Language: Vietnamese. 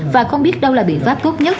và không biết đâu là biện pháp tốt nhất